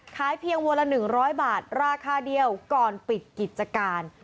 เพียงวันละ๑๐๐บาทราคาเดียวก่อนปิดกิจการ